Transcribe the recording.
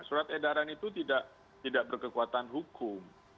surat edaran itu tidak berkekuatan hukum